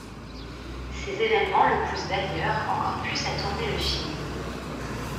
Ces événements le poussent d'ailleurs encore plus à tourner le film.